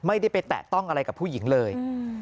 ไม่ได้ไปแตะต้องอะไรกับผู้หญิงเลย